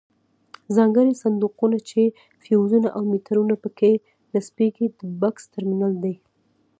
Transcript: ځانګړي صندوقونه چې فیوزونه او میټرونه پکې نصبیږي د بکس ټرمینل دی.